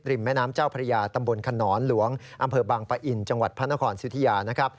ริมแม่น้ำเจ้าพระยาตำบลคนนรหลวงอำเภอบังปะอิ่นจังหวัดพระนครสิวทิยา